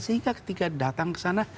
sehingga ketika datang ke sana